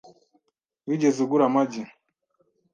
Wigeze ugura amagi?